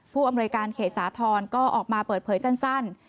ผู้อำนวยการเขตสาธรณ์ก็ออกมาเปิดเผยสั้น